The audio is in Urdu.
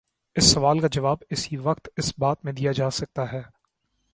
اس سوال کا جواب اسی وقت اثبات میں دیا جا سکتا ہے۔